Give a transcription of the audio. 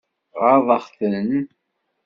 Ɣaḍeɣ-ten?